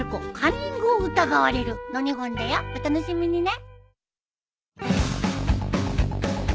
お楽しみにね。